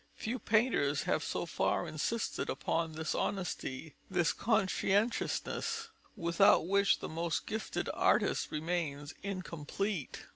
Few painters have so far insisted upon this honesty, this conscientiousness, without which the most gifted artist remains incomplete.